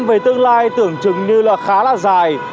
về tương lai tưởng chừng như là khá là dài